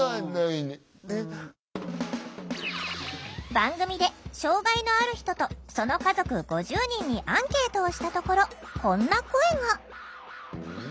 番組で障害のある人とその家族５０人にアンケートをしたところこんな声が。